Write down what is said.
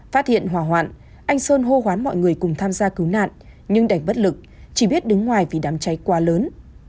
phát hiện hỏa hoạn anh sơn hô hoán mọi người cùng tham gia cứu nạn nhưng đành bất lực chỉ biết đứng ngoài vì đám cháy quá lớn